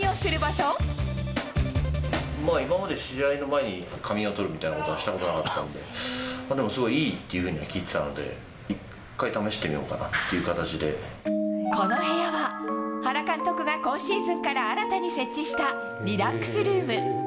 今まで試合の前に仮眠をとるみたいなことはしたことなかったんで、でもすごいいいっていうふうには聞いていたので、一回、この部屋は、原監督が今シーズンから新たに設置したリラックスルーム。